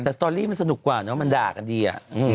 แต่สตอรี่มันสนุกกว่าเนอะมันด่ากันดีอะ